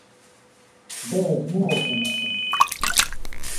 Beres mu oxenapam?